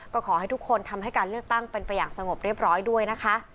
ก็ขอให้ทุกคนทำให้การเลือกตั้งเป็นไปอย่างสงบเรียบร้อยด้วยนะคะ